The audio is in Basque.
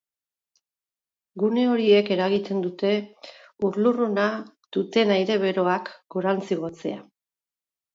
Gune horiek eragiten dute ur-lurruna duten aire beroak gorantz igotzea.